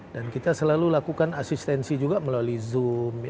dan kita selalu lakukan asistensi juga melalui zoom